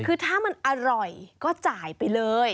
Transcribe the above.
คือถ้ามันอร่อยก็จ่ายไปเลย